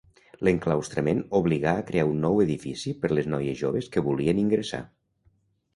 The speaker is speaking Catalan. L'enclaustrament obligà a crear un nou edifici per les noies joves que volien ingressar.